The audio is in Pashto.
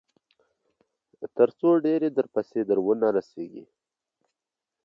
تر څو ډبرې درپسې در ونه رسېږي.